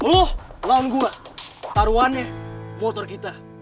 lo lawan gue taruannya motor kita